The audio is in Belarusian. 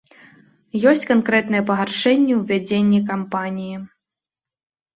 Ёсць канкрэтныя пагаршэнні ў вядзенні кампаніі.